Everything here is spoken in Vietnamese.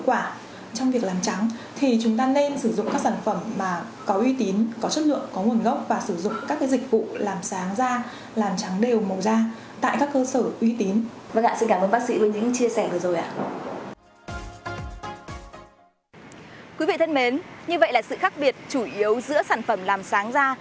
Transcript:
quý vị thân mến như vậy là sự khác biệt chủ yếu giữa sản phẩm làm sáng da